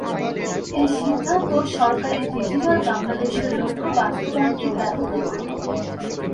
এই সিদ্ধান্ত সরকারের ডিজিটাল বাংলাদেশের লক্ষ্য বাস্তবায়নকে ব্যাহত করবে।